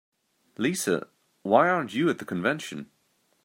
Lisa, why aren't you at the convention?